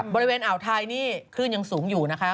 บริเวณอ่าวไทยนี่คลื่นยังสูงอยู่นะคะ